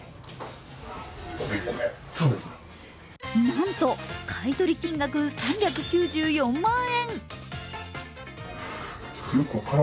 なんと買い取り金額３９４万円！